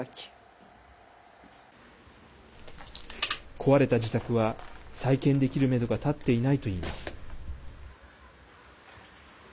壊れた自宅は再建できるめどが立っていないといいます。